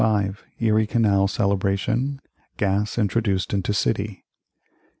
Erie Canal celebration Gas introduced into city 1833.